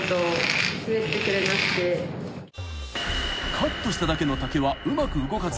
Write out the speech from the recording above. ［カットしただけの竹はうまく動かず］